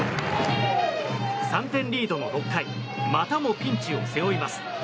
３点リードの６回またもピンチを背負います。